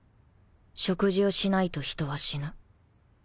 食事をしないと人は死ぬ